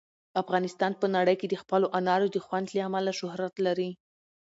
افغانستان په نړۍ کې د خپلو انارو د خوند له امله شهرت لري.